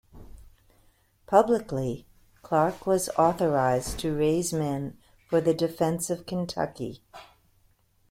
Publicly, Clark was authorized to raise men for the defense of Kentucky.